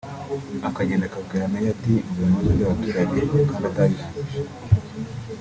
akagenda akabwira Meya ati mvuye mu bibazo by’abaturage kandi atabirangije